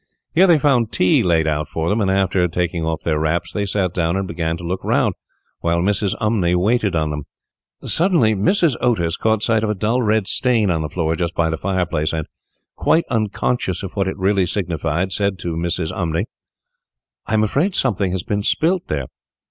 Here they found tea laid out for them, and, after taking off their wraps, they sat down and began to look round, while Mrs. Umney waited on them. Suddenly Mrs. Otis caught sight of a dull red stain on the floor just by the fireplace, and, quite unconscious of what it really signified, said to Mrs. Umney, "I am afraid something has been spilt there."